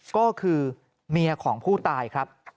ก็คือเมียของผู้ตายครับ